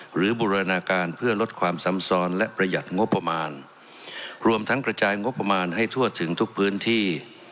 บูรณาการเพื่อลดความซ้ำซ้อนและประหยัดงบประมาณรวมทั้งกระจายงบประมาณให้ทั่วถึงทุกพื้นที่